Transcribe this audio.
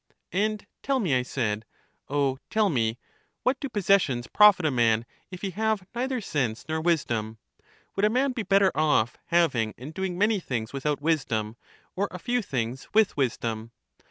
And tell me, I said, O tell me, what do possessions profit a man, if he have neither sense nor wisdom? Would a man be better off, having and doing many things without wisdom, or a few things with wisdom?